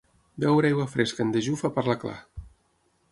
Beure aigua fresca en dejú fa parlar clar.